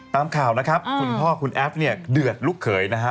ตามข่าวนะครับคุณพ่อคุณแอฟเนี่ยเดือดลูกเขยนะฮะ